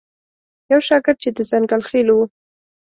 یو شاګرد چې د ځنګل خیلو و.